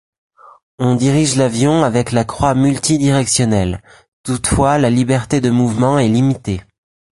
On dirige l'avion avec la croix multidirectionnelle, toutefois la liberté de mouvements est limitée.